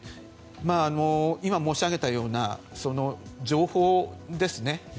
今、申し上げたような情報ですね。